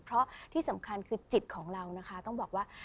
เพราะที่สำคัญคือจิตของเรานะคะต้องบอกว่า